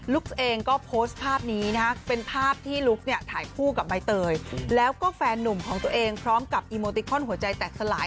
เองก็โพสต์ภาพนี้นะฮะเป็นภาพที่ลุคเนี่ยถ่ายคู่กับใบเตยแล้วก็แฟนนุ่มของตัวเองพร้อมกับอีโมติคอนหัวใจแตกสลาย